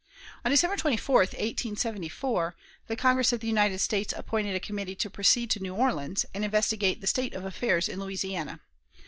On December 24, 1874, the Congress of the United States appointed a committee to proceed to New Orleans, and investigate the state of affairs in Louisiana.